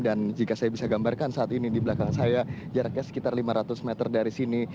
dan jika saya bisa gambarkan saat ini di belakang saya jaraknya sekitar lima ratus meter dari sini